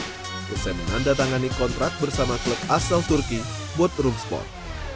saya menandatangani kontrak bersama klub asal turki botrum sport